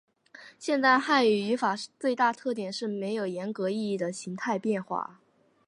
现代汉语语法最大的特点是没有严格意义的形态变化。